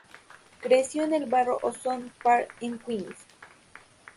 Creció en el barrio Ozone Park, en Queens.